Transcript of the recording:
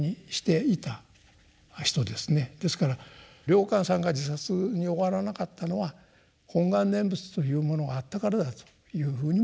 ですから良寛さんが自殺に終わらなかったのは「本願念仏」というものがあったからだというふうにも考えられますね。